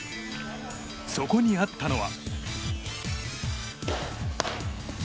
そこにあったのは。